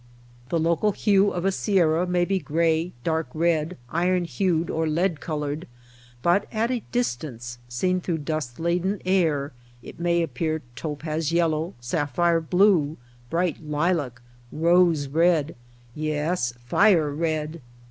The local hue of a sierra may be gray, dark red, iron hued, or lead colored ; but at a distance, seen through dust laden air, it may appear LIGHT, AIR, AND COLOR 91 topaz yellow, sapphire blue, bright lilac, rose red — yes, fire red.